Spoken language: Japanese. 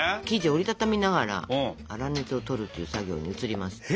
生地を折り畳みながら粗熱をとるという作業に移ります。